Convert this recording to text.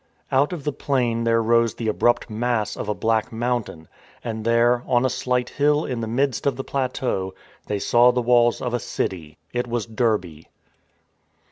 Out of the plain there rose the abrupt mass of a black mountain. And there, on a slight hill in the midst of the plateau, they saw the walls of a city. It was Derbe.